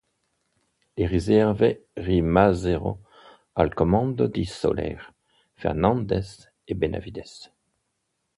Le riserve rimasero al comando di Soler, Fernández e Benavides.